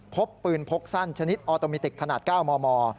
พบปืนพกสั้นชนิดออโตมิติกขนาด๙มม